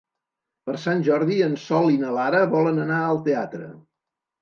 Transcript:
Per Sant Jordi en Sol i na Lara volen anar al teatre.